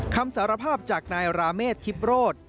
คำสารภาพจากนายราเมษทิพโรธ